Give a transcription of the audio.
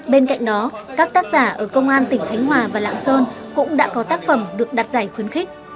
bên cạnh đó các tác giả ở công an tỉnh khánh hòa và lạng sơn cũng đã có tác phẩm được đặt giải khuyến khích